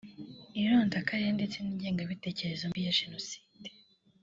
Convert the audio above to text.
irondakarere ndetse n’ingengabitekerezo mbi ya Jenoside